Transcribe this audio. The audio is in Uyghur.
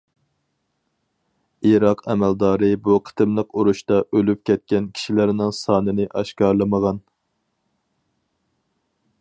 ئىراق ئەمەلدارى بۇ قېتىملىق ئۇرۇشتا ئۆلۈپ كەتكەن كىشىلەرنىڭ سانىنى ئاشكارىلىمىغان.